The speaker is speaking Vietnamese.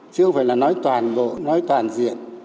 chứ không phải là nói toàn bộ nói toàn diện